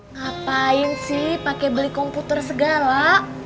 ngapain sih pakai beli komputer segala